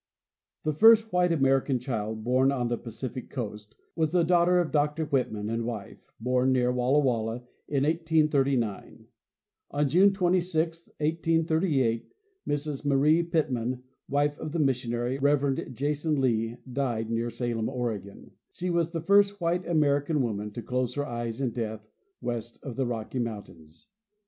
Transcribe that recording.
The first white American child born on the Pacific coast was the daughter of Dr Whitman and wife, born near Walla Walla in 1839. On June 26, 1838, Mrs Maria Pitman, wife of the mis sionary, Reverend Jason Lee, died near Salem, Oregon. She was the first white American woman to close her eyes in death west of the Rocky mountains.